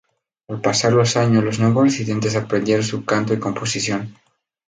Al pasar los años los nuevos residentes aprendieron su canto y composición.